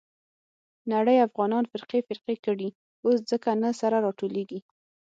نړۍ افغانان فرقې فرقې کړي. اوس ځکه نه سره راټولېږي.